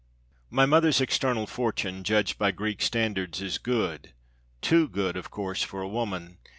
My mother's external fortune, judged by Greek standards, is good too good, of course, for a woman.